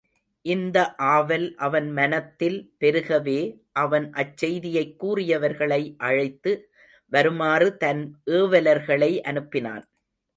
இந்த ஆவல் அவன் மனத்தில் பெருகவே அவன் அச் செய்தியைக் கூறியவர்களை அழைத்து வருமாறு தன் ஏவலர்களை அனுப்பினான்.